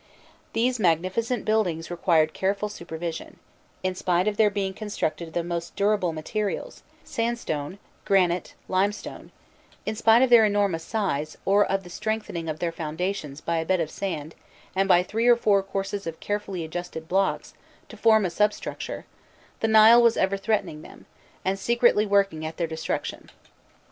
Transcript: These magnificent buildings required careful supervision: in spite of their being constructed of the most durable materials sand stone, granite, limestone, in spite of their enormous size, or of the strengthening of their foundations by a bed of sand and by three or four courses of carefully adjusted blocks to form a substructure, the Nile was ever threatening them, and secretly working at their destruction.